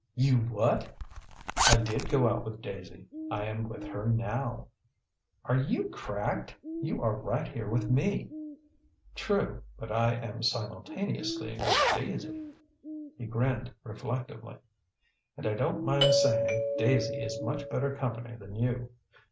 "You what?" "I did go out with Daisy. I am with her now." "Are you cracked? You are right here with me." "True, but I am simultaneously with Daisy." He grinned reflectively. "And I don't mind saying Daisy is much better company than you....